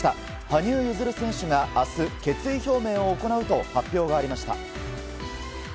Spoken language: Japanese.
羽生結弦選手が明日、決意表明を行うと発表がありました。